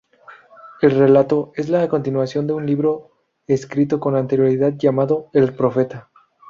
El relato es la continuación de un libro escrito con anterioridad llamado El profeta.